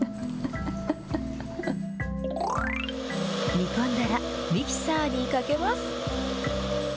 煮込んだら、ミキサーにかけます。